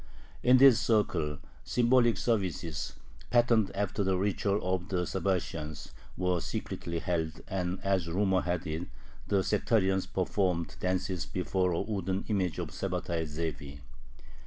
In this circle symbolic services, patterned after the ritual of the Sabbatians, were secretly held, and, as rumor had it, the sectarians performed dances before a wooden image of Sabbatai Zevi.